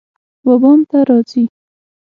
وبام ته راځی